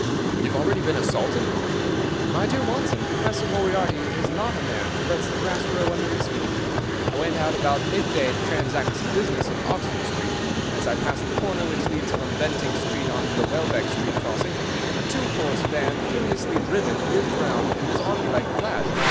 "You have already been assaulted?" "My dear Watson, Professor Moriarty is not a man who lets the grass grow under his feet. I went out about midday to transact some business in Oxford Street. As I passed the corner which leads from Bentinck Street on to the Welbeck Street crossing a two horse van furiously driven whizzed round and was on me like a flash.